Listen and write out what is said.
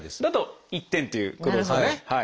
だと１点ということですかね。